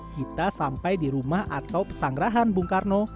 kita sampai di rumah atau pesanggerahan bung karno